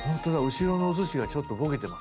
後ろのおすしがちょっとボケてます。